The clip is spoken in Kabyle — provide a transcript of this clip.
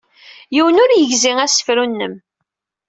Yiwen ur yegzi asefru-nnem.